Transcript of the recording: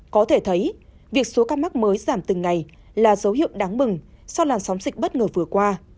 có thể thấy việc số các mắc mới giảm từng ngày là dấu hiệu đáng mừng so với làn sóng dịch bất ngờ vừa qua